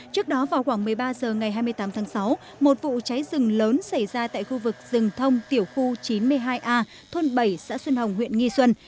trước đó vào khoảng một mươi ba h ngày hai mươi tám tháng sáu một vụ cháy rừng lớn xảy ra tại khu vực rừng thông tiểu khu chín mươi hai a thôn bảy xã xuân hồng huyện nghi xuân